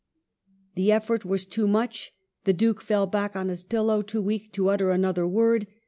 The effort was too much ; the Duke fell back on his pillow, too weak to utter another word.